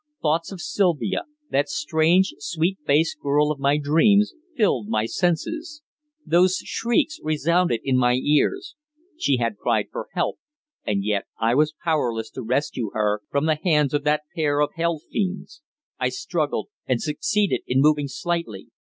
Thoughts of Sylvia that strange, sweet faced girl of my dreams filled my senses. Those shrieks resounded in my ears. She had cried for help, and yet I was powerless to rescue her from the hands of that pair of hell fiends. I struggled, and succeeded in moving slightly.